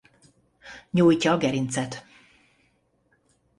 Nyújtja a gerincet.